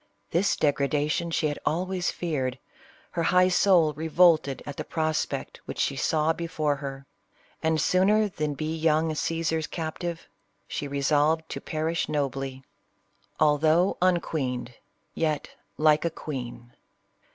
This degradation she had always feared ; her high soul revolted at the prospect which she saw before her ; and sooner than be young Caesar's captive, she resolved to perish nobly, — CLEOPATRA. 49 " although unquccnej, Tet like a queen."